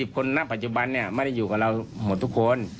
คนหน้าปัจจุบันไม่ได้อยู่กับเราหมดทุกคน